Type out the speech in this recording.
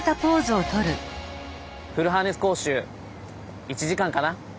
「フルハーネス講習１時間かな？